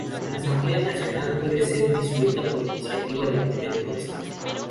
La Asamblea Nacional puede ser disuelta por iniciativa del Primer Ministro.